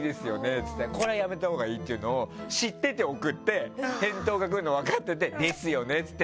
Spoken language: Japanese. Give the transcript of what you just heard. って言ってこれはやめたほうがいいって言うのを知ってて送って返答が来るの分かっててですよねって言って